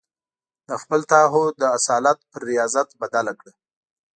د خپل تعهد د اصالت پر رياضت بدله کړه.